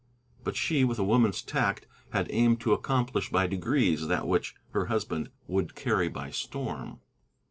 But she, with a woman's tact, had aimed to accomplish by degrees that which her husband would carry by storm.